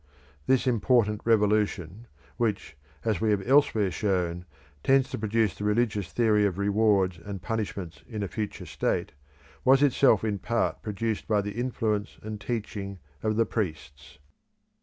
This important revolution, which, as we have elsewhere shown, tends to produce the religious theory of rewards and punishments in a future state, was itself in part produced by the influence and teaching of the priests.